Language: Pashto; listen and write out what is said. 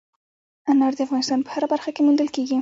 انار د افغانستان په هره برخه کې موندل کېږي.